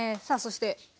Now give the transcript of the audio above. さあそして。